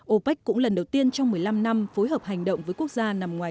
opec cũng lần đầu tiên trong một mươi năm năm phối hợp hành động với quốc gia nằm ngoài